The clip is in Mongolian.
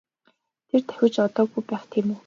Тэр давхиж одоогүй байх тийм үү?